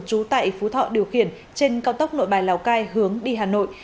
trú tại phú thọ điều khiển trên cao tốc nội bài lào cai hướng đi hà nội